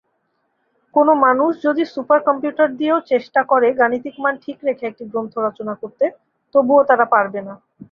কোন মানুষ যদি সুপার কম্পিউটার দিয়েও চেষ্টা করে গাণিতিক মান ঠিক রেখে একটি গ্রন্থ রচনা করতে, তবুও তারা পারবে না।